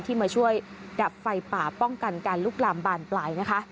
มาช่วยดับไฟป่าป้องกันการลุกลามบานปลายนะคะ